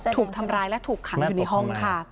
ถูกทำร้ายและถูกขังอยู่ในห้องค่ะ